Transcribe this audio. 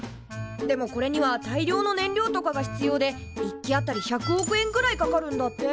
でもこれには大量の燃料とかが必要で１機あたり１００億円くらいかかるんだって。